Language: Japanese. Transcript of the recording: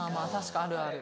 あるある。